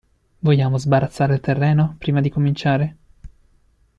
Vogliamo sbarazzare il terreno, prima di cominciare?